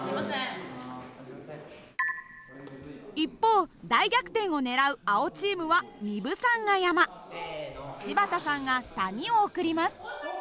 一方大逆転を狙う青チームは壬生さんが山柴田さんが谷を送ります。